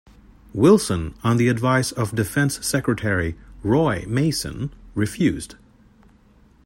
Wilson, on the advice of defence secretary Roy Mason, refused.